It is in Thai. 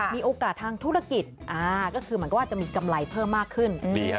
มีโอกาสทางธุรกิจก็คือเหมือนกับว่าจะมีกำไรเพิ่มมากขึ้น